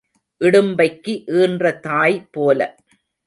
இடும்பைக்கு ஈன்ற தாய் போல.